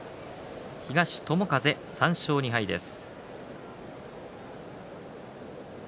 東、友風、３勝２敗です。